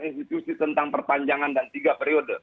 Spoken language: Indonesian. institusi tentang perpanjangan dan tiga periode